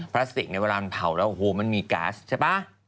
พลาสติกในเวลามันเผาแล้วโอ้โหมันมีก๊าซใช่ป่ะ